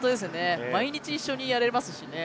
毎日、一緒にやれますしね。